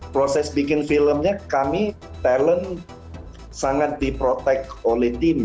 proses bikin filmnya kami talent sangat di protect quality